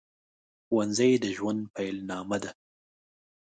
ښوونځي د ژوند پیل نامه ده